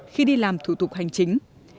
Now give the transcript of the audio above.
khi đi làm thủ tục hành chính